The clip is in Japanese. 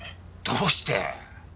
どうして？